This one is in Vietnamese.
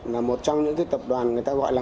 là một trong những tập đoàn người ta gọi là